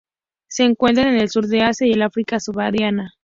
Se encuentra en el sur de Asia y el África subsahariana.